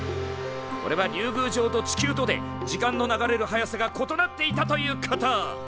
これは竜宮城と地球とで時間の流れる速さが異なっていたということ！